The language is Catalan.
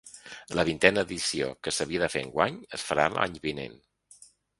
La vintena edició, que s’havia de fer enguany, es farà l’any vinent.